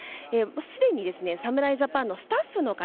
すでに侍ジャパンのスタッフの方